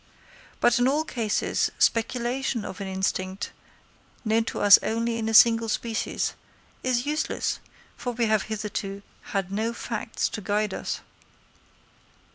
But in all cases, speculation on an instinct known to us only in a single species, is useless, for we have hitherto had no facts to guide us.